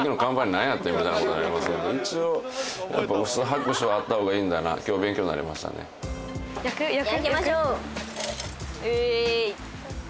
何やってんみたいなことになりますんで一応やっぱ薄拍手はあった方がいいんだな今日勉強になりましたねウエーイ！